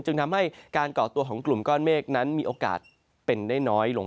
จึงทำให้การก่อตัวของกลุ่มก้อนเมฆนั้นมีโอกาสเป็นได้น้อยลง